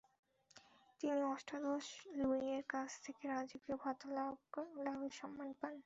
তিনি অষ্টাদশ লুইয়ের কাছ থেকে রাজকীয় ভাতা লাভের সম্মান পান।